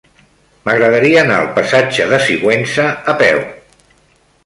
M'agradaria anar al passatge de Sigüenza a peu.